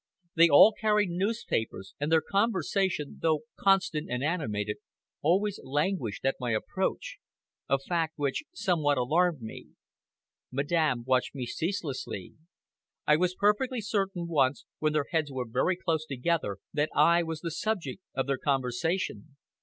They all carried newspapers, and their conversation, though constant and animated, always languished at my approach a fact which somewhat alarmed me. Madame watched me ceaselessly. I was perfectly certain once, when their heads were very close together, that I was the subject of their conversation.